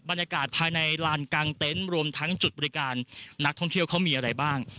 บรรยากาศภายในลานกลางเต็นต์รวมทั้งจุดบริการนักท่องเที่ยวเขามีอะไรบ้าง